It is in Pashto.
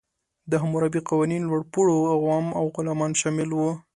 د حموربي قوانین لوړپوړو، عوام او غلامان شامل وو.